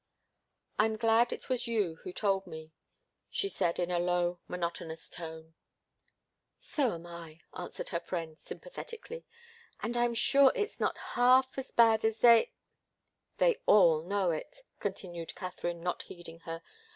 "I'm glad it was you who told me," she said in a low, monotonous tone. "So am I," answered her friend, sympathetically. "And I'm sure it's not half as bad as they " "They all know it," continued Katharine, not heeding her.